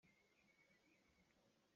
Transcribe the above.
Zeitin dah na ruah?